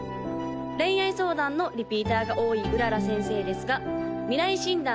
恋愛相談のリピーターが多い麗先生ですが未来診断